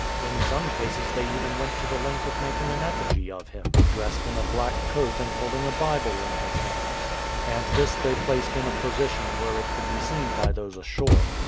In some cases they even went the length of making an effigy of him, dressed in a black coat and holding a Bible in his hands ; and this they placed in a position where it could be seen by those ashore.